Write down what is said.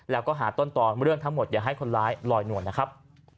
แล้วก็หาต้นตอนเรื่องทั้งหมดอย่าให้คนร้ายลอยนวลนะครับ